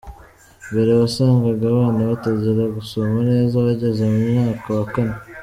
Mbere wasangaga, abana batangira gusoma neza bageze mu mwaka wa kane.